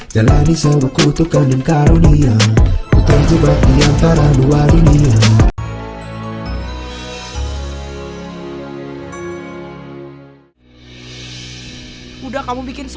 jalani sewuku tukang dan karunia ku terjebak di antara dua dunia